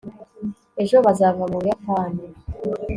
ejo bazava mu buyapani